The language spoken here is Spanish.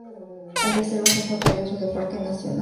La reserva se encuentra dentro del parque nacional Nahuel Huapi.